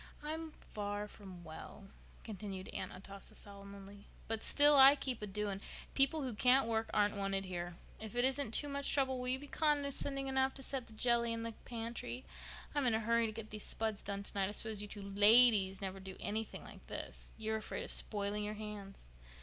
I'm far from well," continued Aunt Atossa solemnly, "but still I keep a doing. People who can't work aren't wanted here. If it isn't too much trouble will you be condescending enough to set the jelly in the pantry? I'm in a hurry to get these spuds done tonight. I suppose you two ladies never do anything like this. You'd be afraid of spoiling your hands."